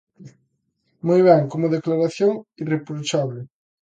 Moi ben, como declaración, irreprochable.